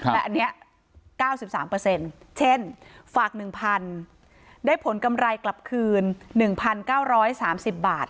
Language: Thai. แต่อันนี้๙๓เช่นฝาก๑๐๐๐ได้ผลกำไรกลับคืน๑๙๓๐บาท